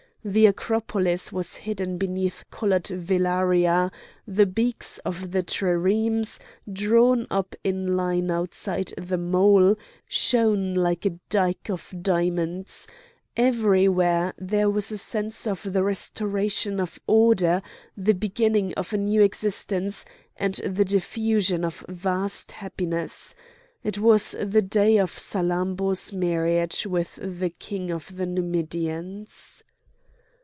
The Acropolis was hidden beneath coloured velaria; the beaks of the triremes, drawn up in line outside the mole, shone like a dyke of diamonds; everywhere there was a sense of the restoration of order, the beginning of a new existence, and the diffusion of vast happiness: it was the day of Salammbô's marriage with the King of the Numidians.